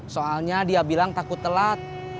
soalnya dia bilang takut telat